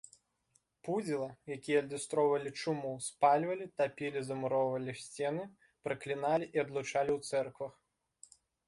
Пудзіла, якія адлюстроўвалі чуму, спальвалі, тапілі, замуроўвалі ў сцены, пракліналі і адлучалі ў цэрквах.